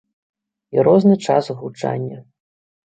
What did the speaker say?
І розны час гучання.